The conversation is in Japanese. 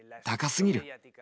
高すぎる。